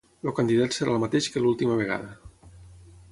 El candidat serà el mateix que l'última vegada